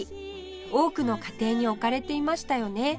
多くの家庭に置かれていましたよね